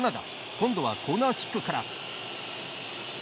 今度はコーナーキックから。